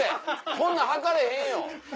こんなん履かれへんよ。